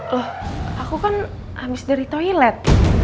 loh aku kan habis dari toilet